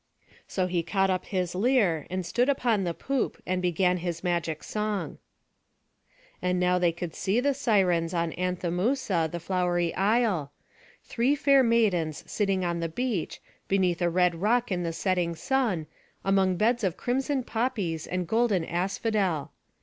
So he caught up his lyre, and stood upon the poop, and began his magic song. And now they could see the Sirens, on Anthemousa, the flowery isle; three fair maidens sitting on the beach, beneath a red rock in the setting sun, among beds of crimson poppies and golden asphodel.